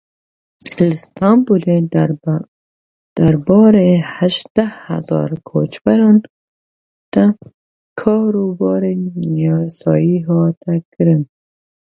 Li Stenbolê derbarê hejdeh hezar koçberan de kar û barên yasayî hate kirin.